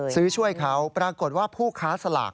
ซื้อช่วยเขาเฉยนะครับ